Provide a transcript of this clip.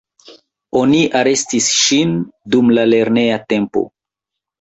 Oni arestis ŝin dum lerneja tempo.